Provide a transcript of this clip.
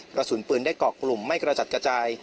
กระสุนปืนได้เกาะกลุ่มไม่กระจัดกระจาย